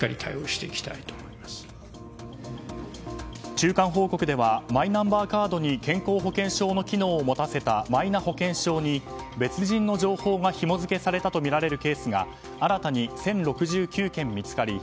中間報告ではマイナンバーカードに健康保険証の機能を持たせたマイナ保険証に別人の情報がひも付けされたとみられるケースが新たに１０６９件見つかり